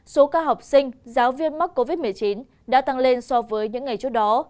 số ca học sinh giáo viên mắc covid một mươi chín đã tăng lên so với những ngày trước đó